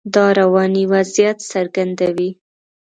دا رواني وضعیت څرګندوي.